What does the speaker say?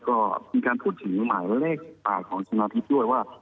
ก็มีการพูดถึงหมายเลขปากของชนะทิพย์ด้วยว่า